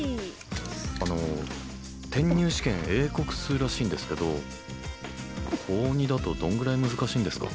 あの転入試験英国数らしいんですけど高２だとどんぐらい難しいんですか？